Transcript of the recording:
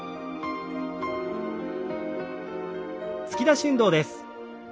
突き出し運動です。